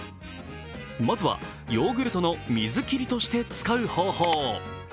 まずはヨーグルトの水切りとして使う方法。